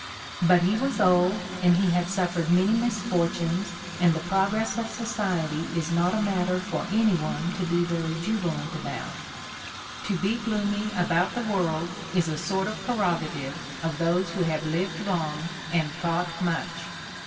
But he was old and he had suffered many misfortunes and the progress of society is not a matter for any one to be very jubilant about: to be, gloomy about the world is a sort of prerogative of those who have lived long and thought much.